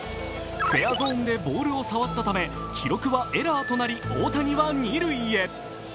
フェアゾーンでボールを触ったため記録はエラーとなり、大谷は二塁へ。